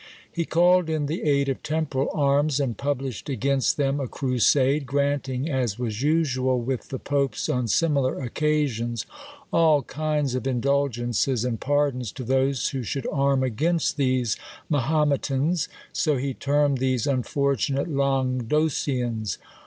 He called in the aid of temporal arms, and published against them a crusade, granting, as was usual with the popes on similar occasions, all kinds of indulgences and pardons to those who should arm against these Mahometans, so he termed these unfortunate Languedocians.